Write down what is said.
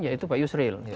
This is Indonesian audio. yaitu pak yusril